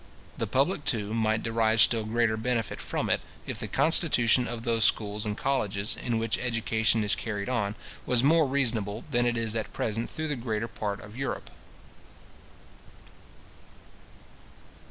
The public, too, might derive still greater benefit from it, if the constitution of those schools and colleges, in which education is carried on, was more reasonable than it is at present through the greater part of Europe.